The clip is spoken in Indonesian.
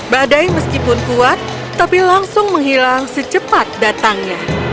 badai meskipun kuat tapi langsung menghilang secepat datangnya